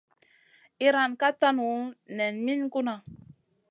Iyran ka tanu nen min gunna.